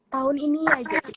tahun ini aja